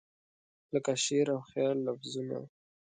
لکه شعر او خیال لفظونه